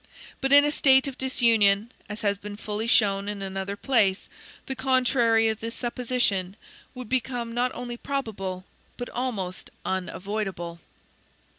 But in a state of disunion (as has been fully shown in another place), the contrary of this supposition would become not only probable, but almost unavoidable.